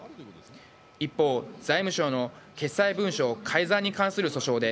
一方財務省の決裁文書改ざんに関する訴訟で